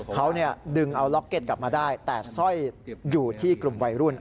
เขาดึงเอาล็อกเก็ตกลับมาได้แต่สร้อยอยู่ที่กลุ่มวัยรุ่น